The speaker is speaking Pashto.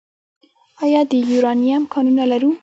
آیا د یورانیم کانونه لرو؟